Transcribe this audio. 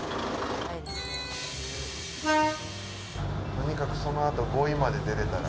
とにかくそのあと五井まで出られたら。